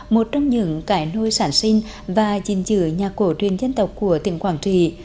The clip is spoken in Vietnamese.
một trong những cải nôi sản sinh và dình dựa nhạc cổ truyền dân tộc của tỉnh quảng trì